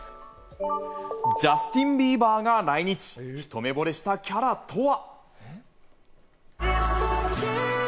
ジャスティン・ビーバーが来日、一目ぼれしたキャラとは？